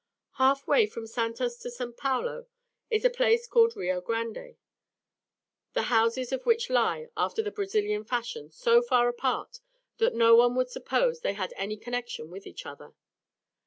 Half way from Santos to St. Paulo is a place called Rio Grande, the houses of which lie, after the Brazilian fashion, so far apart, that no one would suppose they had any connection with each other.